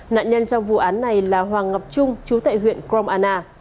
nạn nhân trong vụ án này là hoàng ngọc trung chú tại huyện krong anna